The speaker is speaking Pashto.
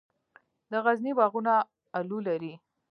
د غزني باغونه الو لري.